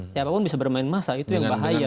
siapapun bisa bermain masa itu yang bahaya